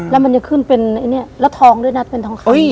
แล้วมันจะขึ้นเป็นไอ้เนี่ยแล้วทองด้วยนะเป็นทองคำ